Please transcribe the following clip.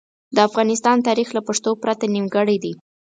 د افغانستان تاریخ له پښتنو پرته نیمګړی دی.